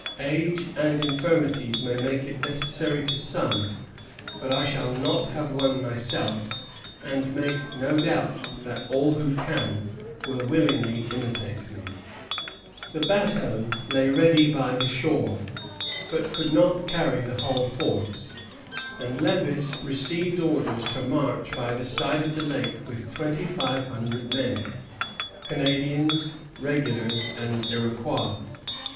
"Age and infirmities may make it necessary to some; but I shall not have one myself, and make no doubt that all who can will willingly imitate me." Circulaire du Marquis de Montcalm, 25 Juillet, 1757. The bateaux lay ready by the shore, but could not carry the whole force; and Lévis received orders to march by the side of the lake with twenty five hundred men, Canadians, regulars, and Iroquois.